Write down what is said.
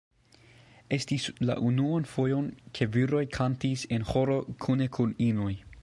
Estis la unuan fojon, ke viroj kantis en ĥoro kune kun inoj.